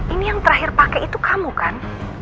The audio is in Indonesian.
ini yang terakhir pakai itu kamu kan